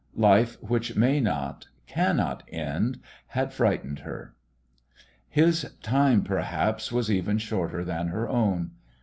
Life which may not, cannot end, had frightened her. His time, perhaps, was even shorter than her own.